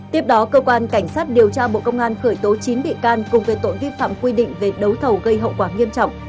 tiếp đó cơ quan cảnh sát điều tra bộ công an khởi tố chín bị can cùng về tội vi phạm quy định về đấu thầu gây hậu quả nghiêm trọng